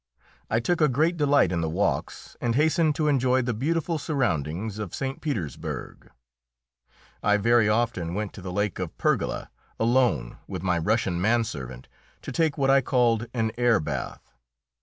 I took a great delight in the walks, and hastened to enjoy the beautiful surroundings of St. Petersburg. I very often went to the Lake of Pergola alone with my Russian man servant to take what I called an air bath.